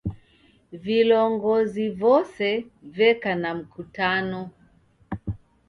Vilongozi vose veka na mkutano